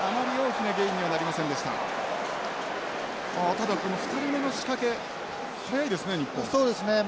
ただ２人目の仕掛け早いですね日本も。